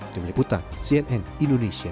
tim liputan cnn indonesia